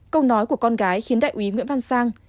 câu nói của con gái khiến đại úy nguyễn văn sang